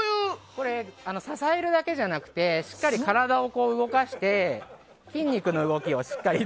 これ、支えるだけじゃなくてしっかり体を動かして筋肉の動きをしっかり。